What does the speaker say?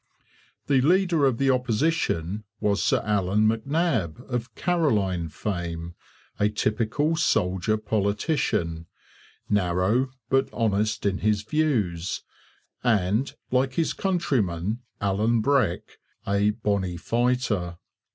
The leader of the opposition was Sir Allan MacNab of Caroline fame, a typical soldier politician, narrow but honest in his views, and, like his countryman Alan Breck, a 'bonny fighter.'